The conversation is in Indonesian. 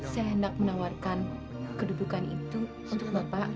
saya hendak menawarkan kedudukan itu untuk bapak